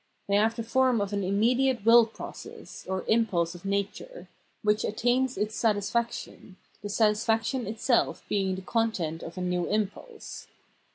They have the form of an immediate will process, or impulse of nature, which attains its satisfaction, this satisfaction itself being the content of a new impulse.